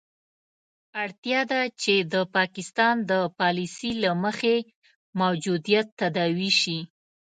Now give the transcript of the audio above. اړتیا ده چې د پاکستان د پالیسي له مخې موجودیت تداوي شي.